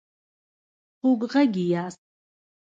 خوږغږي ياست